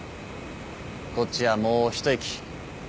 こっちはもう一息。